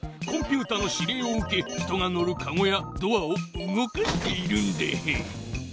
コンピュータの指令を受け人が乗るかごやドアを動かしているんだ。